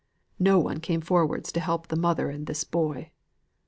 No one came forward to help the mother and this boy.